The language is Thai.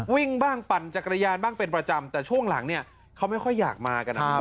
วิ่งบ้างปั่นจักรยานบ้างเป็นประจำแต่ช่วงหลังเนี่ยเขาไม่ค่อยอยากมากันนะครับ